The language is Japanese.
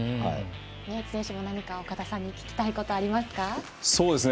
宮市選手も何か岡田さんに聞きたいことはありますか？